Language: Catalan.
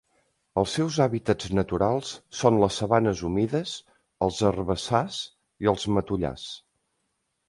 Els seus hàbitats naturals són les sabanes humides, els herbassars i els matollars.